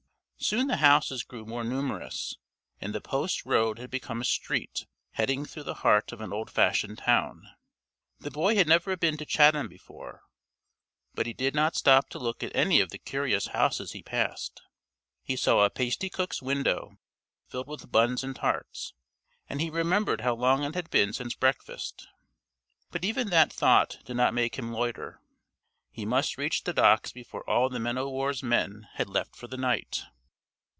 Soon the houses grew more numerous and the post road had become a street heading through the heart of an old fashioned town. The boy had never been to Chatham before, but he did not stop to look at any of the curious houses he passed. He saw a pasty cook's window filled with buns and tarts, and he remembered how long it had been since breakfast, but even that thought did not make him loiter. He must reach the docks before all the men o' war's men had left for the night.